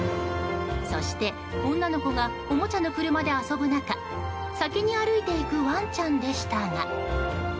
そして女の子がおもちゃの車で遊ぶ中先に歩いていくワンちゃんでしたが。